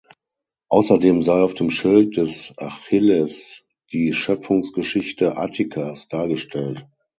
Außerdem sei auf dem Schild des Achilles die Schöpfungsgeschichte Attikas dargestellt.